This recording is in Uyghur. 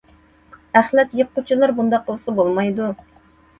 ئەخلەت يىغقۇچىلار بۇنداق قىلسا بولمايدۇ.